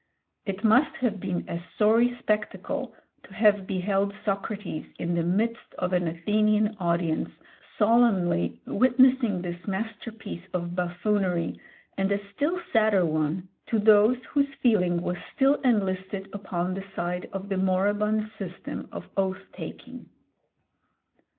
It must have been a sorry spectacle to have beheld Socrates in the midst of an Athenian audience solemnly witnessing this masterpiece of buffoonery, and a still sadder one to those whose feeling was still enlisted upon the side of the moribund system of oath taking.